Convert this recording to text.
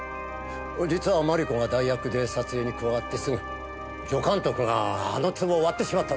実は麻理子が代役で撮影に加わってすぐ助監督があの壺を割ってしまったんです。